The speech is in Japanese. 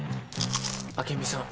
朱美さん